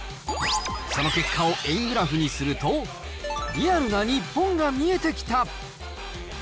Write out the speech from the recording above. その結果を円グラフにすると、リアルな日本が見えてきた。